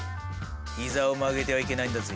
膝を曲げてはいけないんだぜ。